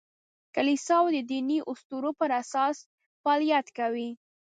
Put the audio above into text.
کلیساوې د دیني اسطورو پر اساس فعالیت کوي.